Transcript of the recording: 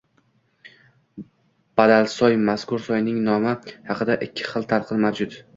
Badalsoy – mazkur soyning nomi haqida ikki xil talqin mavjud.